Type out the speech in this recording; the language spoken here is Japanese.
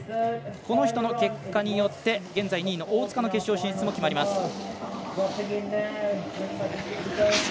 この人の結果によって現在２位の大塚の決勝進出も決まります。